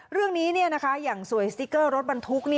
เรื่องนี้อย่างสวยสติ๊กเกอร์รถบรรทุก